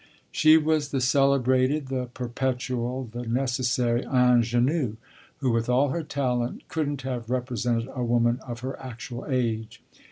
She was the celebrated, the perpetual, the necessary ingénue, who with all her talent couldn't have represented a woman of her actual age.